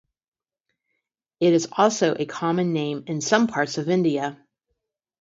It is also a common name in some parts of India.